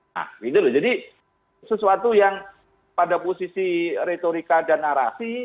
nah gitu loh jadi sesuatu yang pada posisi retorika dan narasi